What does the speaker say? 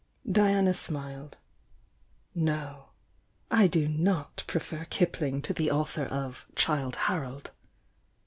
Diana smiled. "No. I do not prefer Kipling to the author of 'ChUde Harold.'